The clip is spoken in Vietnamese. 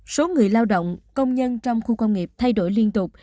số người lao động công nhân trong khu công nghiệp thay đổi liên tục